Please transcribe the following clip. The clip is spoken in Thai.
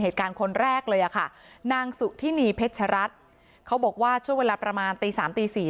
เหตุการณ์คนแรกเลยอ่ะค่ะนางสุธินีเพชรัตน์เขาบอกว่าช่วยเวลาประมาณตี๓ตี๔